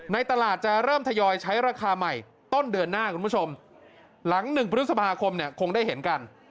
ในตลาดจะเริ่มทยอยใช้ราคาใหม่ต้นเดือนหน้าหลัง๑พศคมคงได้เห็นกัน